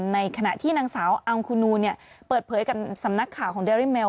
ในขณะที่นางสาวอังคูนูเปิดเผยกับสำนักข่าวของเดริเมล